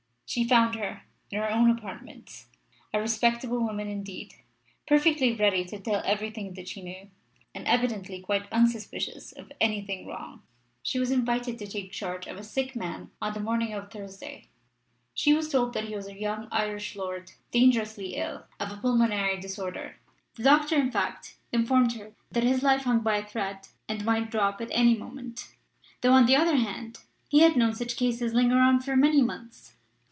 She found her, in her own apartments, a respectable woman indeed, perfectly ready to tell everything that she knew, and evidently quite unsuspicious of anything wrong. She was invited to take charge of a sick man on the morning of Thursday: she was told that he was a young Irish lord, dangerously ill of a pulmonary disorder; the doctor, in fact, informed her that his life hung by a thread, and might drop at any moment, though on the other hand he had known such cases linger on for many months.